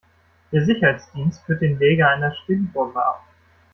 Der Sicherheitsdienst führt den Leger einer Stinkbombe ab.